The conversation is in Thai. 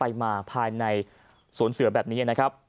ให้เดินเพ่ญผ้านไปมาภายในสวนเสือแบบนี้